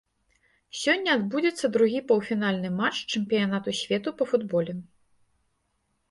Сёння адбудзецца другі паўфінальны матч чэмпіянату свету па футболе.